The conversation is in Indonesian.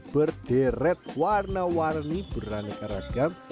berderet warna warni beraneka ragam